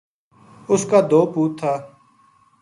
اُس کا دو پوت تھا